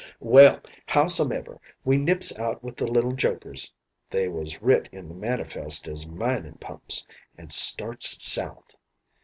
"Well, how some ever, we nips out with the little Jokers (they was writ in the manifest as minin' pumps) an' starts south.